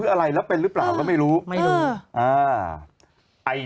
โหยวายโหยวายโหยวายโหยวายโหยวาย